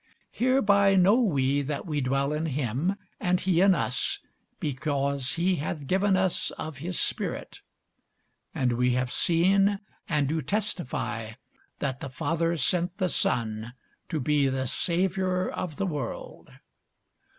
Hereby know we that we dwell in him, and he in us, because he hath given us of his Spirit. And we have seen and do testify that the Father sent the Son to be the Saviour of the world.